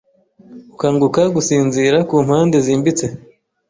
Ukanguka gusinzira Ku mpande zimbitse